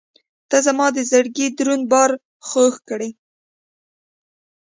• ته زما د زړګي دروند بار خوږ کړې.